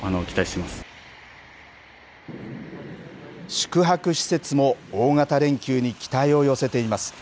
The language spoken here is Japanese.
宿泊施設も大型連休を前に期待を寄せています。